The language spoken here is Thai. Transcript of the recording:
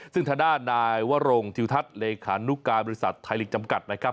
ซึ่งทางด้านนายวรงทิวทัศน์เลขานุการบริษัทไทยลีกจำกัดนะครับ